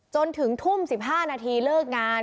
จนถึงทุ่ม๑๕นาทีเลิกงาน